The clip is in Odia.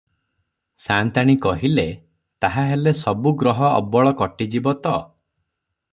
ସା’ନ୍ତାଣୀ କହିଲେ – ତାହା ହେଲେ ସବୁ ଗ୍ରହ ଅବଳ କଟି ଯିବ ତ?